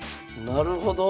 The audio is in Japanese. なるほど。